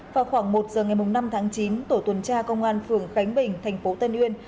vào khoảng một giờ ngày năm tháng chín tổ tuần tra công an phường khánh bình tp tân uyên